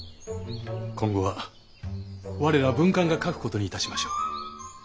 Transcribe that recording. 今後は我ら文官が書くことにいたしましょう。